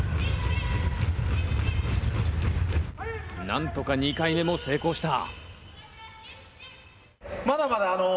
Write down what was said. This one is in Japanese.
なんとか２回目も成功した。